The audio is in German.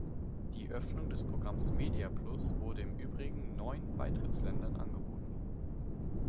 Die Öffnung des Programms Media Plus wurde im Übrigen neun Beitrittsländern angeboten.